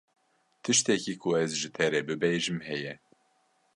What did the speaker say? Tiştekî ku ez ji te re bibêjim heye.